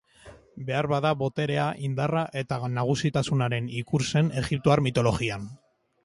Beharbada, boterea, indarra eta nagusitasunaren ikur zen egiptoar mitologian.